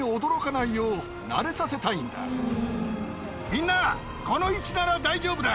みんなこの位置なら大丈夫だ。